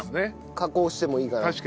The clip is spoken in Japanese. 加工してもいいかなって。